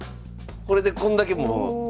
これでこんだけもう。